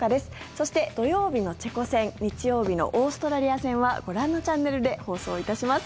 そして、土曜日のチェコ戦日曜日のオーストラリア戦はご覧のチャンネルで放送いたします。